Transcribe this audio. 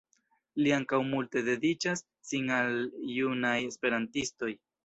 Li ankaŭ multe dediĉas sin al junaj esperantistoj.